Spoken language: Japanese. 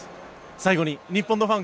最後に日本のファン